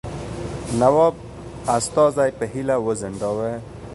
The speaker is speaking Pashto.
نواب استازی په هیله وځنډاوه.